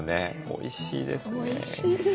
おいしいです。